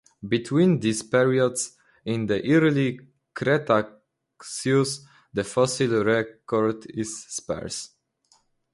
Between these periods, in the Early Cretaceous, the fossil record is sparse.